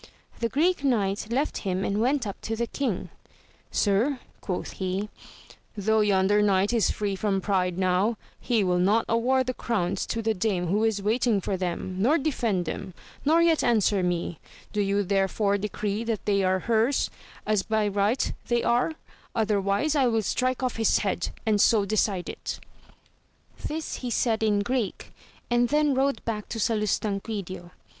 The Greek Knight left him and went up to the king. Sir, quoth he, though yonder knight is free from pride now, he will not award the crowns to the dame who is waiting for them, nor defend them, nor yet answer me ; do you therefore decree that they are hers, as by right they are, otherwise I will strike off his head, and so decide it j this he said in Greek, and then rode back AMADIS OF GAUL 39 to Salustanquidio.